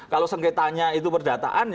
kalau sengketanya itu perdataan